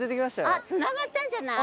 あっつながったんじゃない？